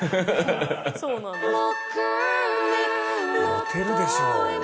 モテるでしょ。